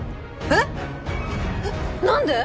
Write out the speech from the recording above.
えっ何で？